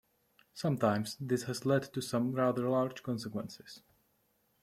Sometimes, this has led to some rather large consequences.